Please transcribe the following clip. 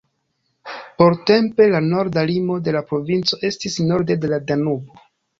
Portempe, la norda limo de la provinco estis norde de la Danubo.